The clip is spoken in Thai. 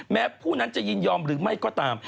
แม้ผู้นั้นจะยินยอมหรือไม่ก็ตาม